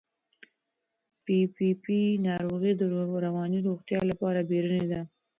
پي پي پي ناروغي د رواني روغتیا لپاره بیړنۍ ده.